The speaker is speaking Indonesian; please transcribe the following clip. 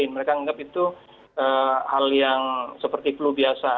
mereka menganggap itu hal yang seperti flu biasa